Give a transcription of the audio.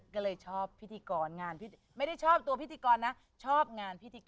ก็เลยชอบพิธีกรงานไม่ได้ชอบตัวพิธีกรนะชอบงานพิธีกร